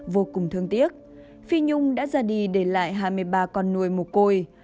vô cùng thương tiếc phi nhung đã ra đi để lại hai mươi ba con nuôi một côi